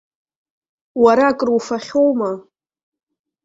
Уара акруфахьоума?